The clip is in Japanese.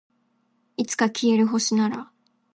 いつか消える星なら